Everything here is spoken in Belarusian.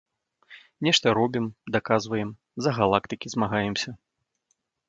Нешта робім, даказваем, за галактыкі змагаемся.